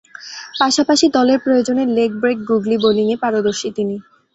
পাশাপাশি দলের প্রয়োজনে লেগ ব্রেক গুগলি বোলিংয়ে পারদর্শী তিনি।